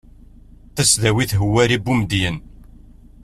tasdawit hwari bumedyen